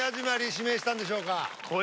指名したんでしょうか？